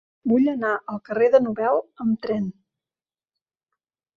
Vull anar al carrer de Nobel amb tren.